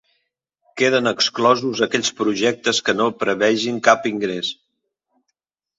Queden exclosos aquells projectes que no prevegin cap ingrés.